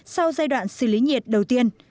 sau giai đoạn xử lý nhiệt đầu tiên